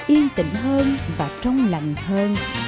yên tĩnh hơn và trong lành hơn